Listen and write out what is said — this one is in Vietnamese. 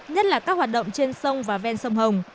nhất là các hoạt động trên sông và ven sông hồng